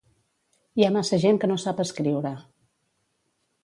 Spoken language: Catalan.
Hi ha massa gent que no sap escriure.